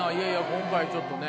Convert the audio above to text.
今回ちょっとね。